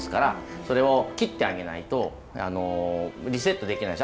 それを切ってあげないとリセットできないんです。